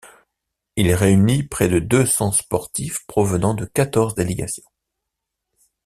Il réunit près de deux cents sportifs provenant de quatorze délégations.